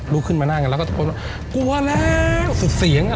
ขึ้นมานั่งกันแล้วก็ตะโกนว่ากลัวแล้วสุดเสียงอ่ะ